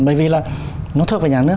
bởi vì là nó thuộc về nhà nước